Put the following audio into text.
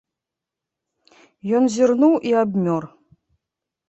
Ён зірнуў і абмёр.